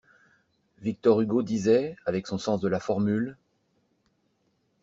Victor Hugo disait, avec son sens de la formule